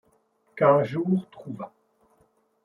Qu’un jour trouva